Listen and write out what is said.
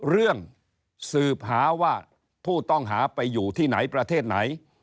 เรื่องสืบหาว่าผู้ต้องหาไปอยู่ที่ไหนประเทศไหน